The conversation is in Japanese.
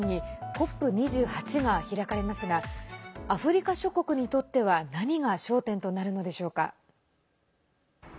ＣＯＰ２８が開かれますがアフリカ諸国にとっては何が焦点となるのでしょうか。